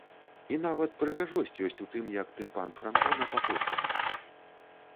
І нават прыгажосць ёсць у тым, які тымпан франтона пакоцаны!